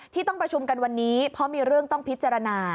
ที่ต้องประชุมกันวันนี้เพราะมีเรื่องต้องพิจารณา